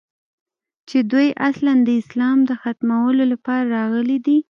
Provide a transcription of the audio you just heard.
چې دوى اصلاً د اسلام د ختمولو لپاره راغلي دي.